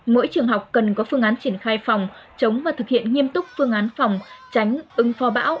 mỗi trường học cần có phương án triển khai phòng chống và thực hiện nghiêm túc phương án phòng tránh ứng phó bão